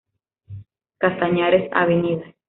Castañares, Av.